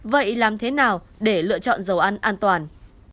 vậy làm thế nào để lựa chọn dầu ăn an toàn